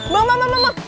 mam mam mam mam